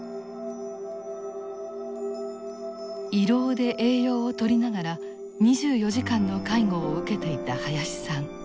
胃ろうで栄養をとりながら２４時間の介護を受けていた林さん。